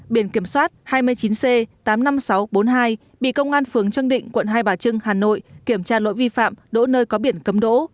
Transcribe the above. biển kiểm soát hai mươi chín c tám mươi năm nghìn sáu trăm bốn mươi hai bị công an phướng trương định quận hai bà trưng hà nội kiểm tra lỗi vi phạm đỗ nơi có biển cấm đỗ